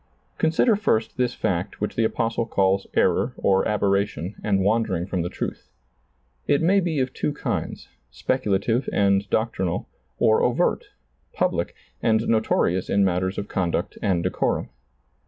Consider first this fact which the Apostle calls error or aberration and wandering from the truth. It may be of two kinds, speculative and doctrinal, or overt, public, and notorious in matters of conduct and decorum.